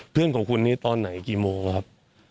เพื่อนของคุณนี้ตอนไหนกี่โมงครับ